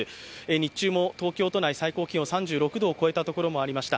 日中も東京都内、最高気温３６度を超えたところもありました